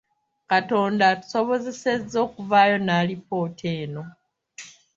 Katonda atusobozesezza okuvaayo n’alipoota eno.